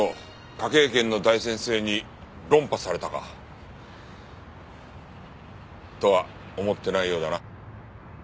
科警研の大先生に論破されたか。とは思ってないようだな。